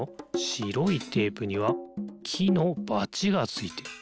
しろいテープにはきのバチがついてる。